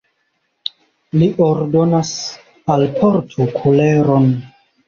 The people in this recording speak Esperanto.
li ordonas: alportu kuleron!